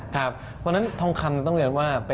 เพราะฉะนั้นทองคำต้องเรียนว่า